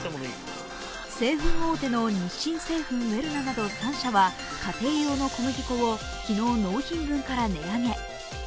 製粉大手の日清製粉ウェルナなど３社は家庭用の小麦粉を昨日納品分から値上げ。